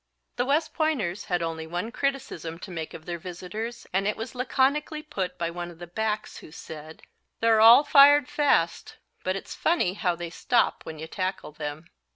The West Pointers had only one criticism to make of their visitors, and it was laconically put by one of the backs, who said: "They're all fired fast, but it's funny how they stop when you tackle them."